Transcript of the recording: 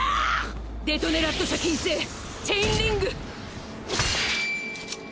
デトネラット社謹製チェインリング！